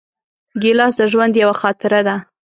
ګیلاس د ژوند یوه خاطره ده.